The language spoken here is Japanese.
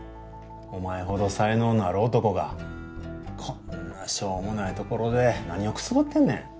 お前ほど才能のある男がこんなしょうもないところで何をくすぶってんねん？